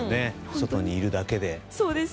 外にいるだけで。